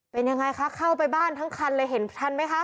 เป็นยังไงคะเข้าไปบ้านทั้งคันเลยเห็นทันไหมคะ